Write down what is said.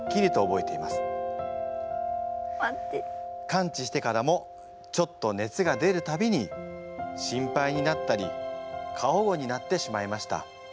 「完治してからもちょっと熱が出るたびに心配になったり過保護になってしまいました。